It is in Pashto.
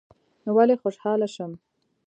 نو ولي خوشحاله شم